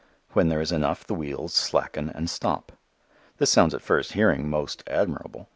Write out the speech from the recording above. When there is enough the wheels slacken and stop. This sounds at first hearing most admirable.